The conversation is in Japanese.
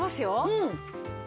うん！